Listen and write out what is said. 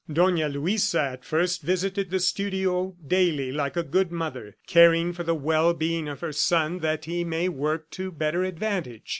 Dona Luisa at first visited the studio daily like a good mother, caring for the well being of her son that he may work to better advantage.